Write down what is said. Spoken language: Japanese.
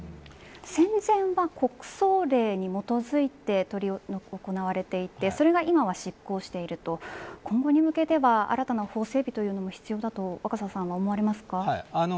戦前は国葬令に基づいて執り行われていて今後に向けては新たな法整備というのも必要だと若狭さんは思われますか？